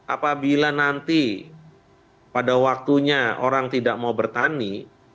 apabila nanti pada waktunya orang tidak mau bertani